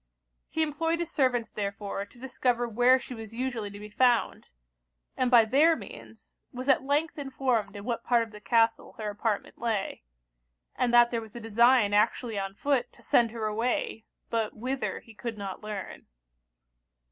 He employed his servants therefore to discover where she was usually to be found, and by their means was at length informed in what part of the castle her apartment lay; and that there was a design actually on foot to send her away, but whither he could not learn.